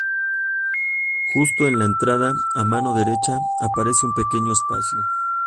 Justo en la entrada, a mano derecha, aparece un pequeño espacio.